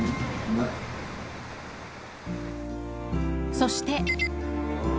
そして。